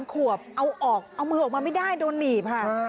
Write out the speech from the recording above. ขวบเอาออกเอามือออกมาไม่ได้โดนหนีบค่ะ